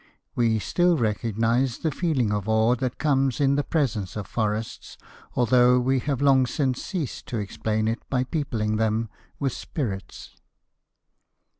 We still recognize the feeling of awe that comes in the presence of forests, although we have long since ceased to explain it by peopling them with spirits.